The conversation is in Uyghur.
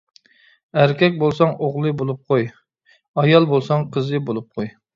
ئەركەك بولساڭ ئوغلى بولۇپ قوي! ئايال بولساڭ قىزى بولۇپ قوي!